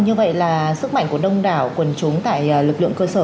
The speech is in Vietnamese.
như vậy là sức mạnh của đông đảo quần chúng tại lực lượng cơ sở